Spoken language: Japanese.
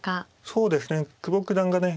そうですね久保九段がね